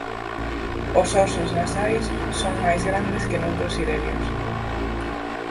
Os ósos nasais son máis grandes que noutros sirenios.